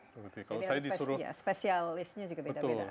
spesialisnya juga beda beda